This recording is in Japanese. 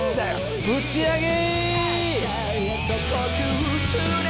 ぶち上げ！